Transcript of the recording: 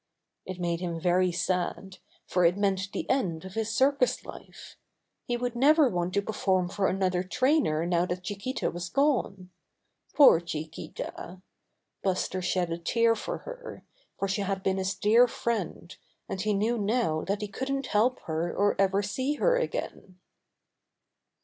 It made him very sad, for it meant the end of his circus life. He would never want to perform for another trainer now that Chiquita was gone. Poor Chiquita! Buster shed a tear for her, for she had been his dear friend, and he knew now that he couldn't help her or ever see her again.